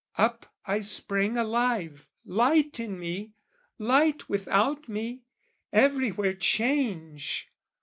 Up I sprang alive, Light in me, light without me, everywhere Change!